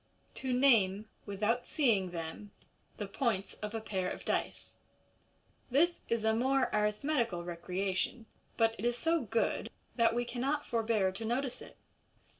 To Name, without seeing them, the Points of a Pair op Dice — This is a m re arithmetical recreation, but it is so good that 170 MODERN MAGIC. we cannot forbear to notice it.